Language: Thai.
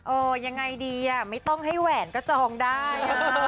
โอ้ยังไงดีไม่ต้องให้แหวนก็จองได้ต่อมา